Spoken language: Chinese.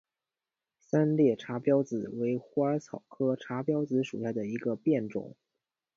三裂茶藨子为虎耳草科茶藨子属下的一个变种。